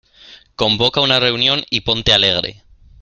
Convoca una reunión y ponte alegre.